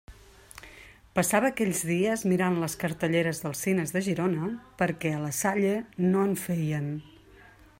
Passava aquells dies mirant les cartelleres dels cines de Girona perquè a la Salle no en feien.